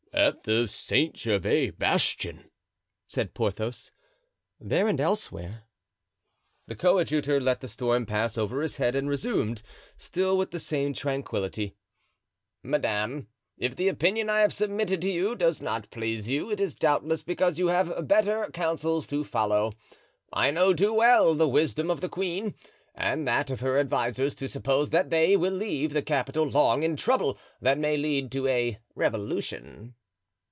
"At the Saint Gervais bastion," said Porthos. "There and elsewhere.") The coadjutor let the storm pass over his head and resumed, still with the same tranquillity: "Madame, if the opinion I have submitted to you does not please you it is doubtless because you have better counsels to follow. I know too well the wisdom of the queen and that of her advisers to suppose that they will leave the capital long in trouble that may lead to a revolution."